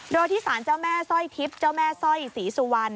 โดนที่ศาลเจ้าแม่ซ่อยทิศเจ้าแม่ซ่อยศรีสุวรรณ